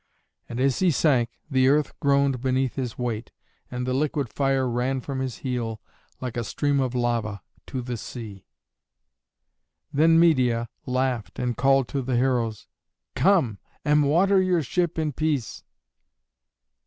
And as he sank, the earth groaned beneath his weight and the liquid fire ran from his heel, like a stream of lava, to the sea. Then Medeia laughed and called to the heroes, "Come and water your ship in peace."